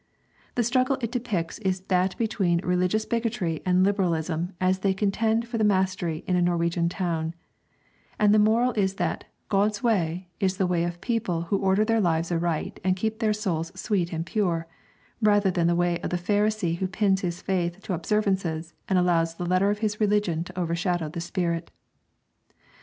The struggle it depicts is that between religious bigotry and liberalism as they contend for the mastery in a Norwegian town; and the moral is that "God's way" is the way of people who order their lives aright and keep their souls sweet and pure, rather than the way of the Pharisee who pins his faith to observances and allows the letter of his religion to overshadow the spirit.